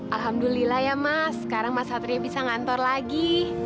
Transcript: alhamdulillah ya mas sekarang mas satria bisa ngantor lagi